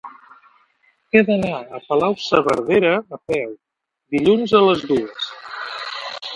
He d'anar a Palau-saverdera a peu dilluns a les dues.